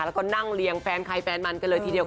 แล้วก็นั่งเรียงแฟนใครแฟนมันกันเลยทีเดียว